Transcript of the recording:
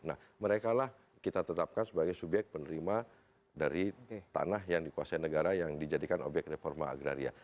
nah mereka lah kita tetapkan sebagai subyek penerima dari tanah yang dikuasai negara yang dijadikan obyek reforma agraria